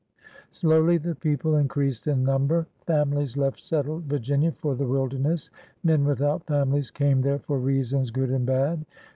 Slowly the people in creased in number. Families left settled Virginia for the wilderness; men without families came there for reasons good and bad.